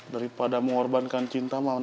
daripada mengorbankan cinta mah neng